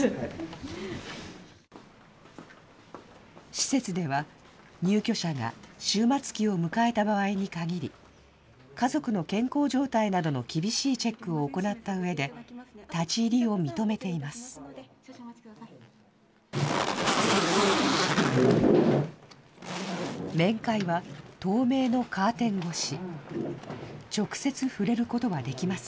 施設では、入居者が終末期を迎えた場合に限り、家族の健康状態などの厳しいチェックを行ったうえで、立ち入りを認めています。